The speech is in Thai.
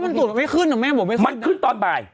มันตรวจไม่ขึ้นอ่ะแม่บอกไม่ขึ้นมันขึ้นตอนบ่าย